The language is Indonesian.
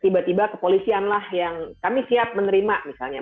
tiba tiba kepolisian lah yang kami siap menerima misalnya